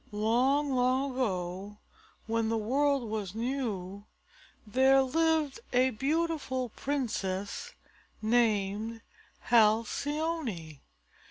Long, long ago when the world was new, there lived a beautiful princess named Halcyone.